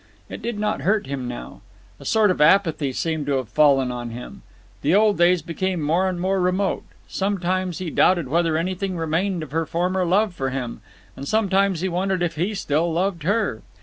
It did not hurt him now. A sort of apathy seemed to have fallen on him. The old days became more and more remote. Sometimes he doubted whether anything remained of her former love for him, and sometimes he wondered if he still loved her.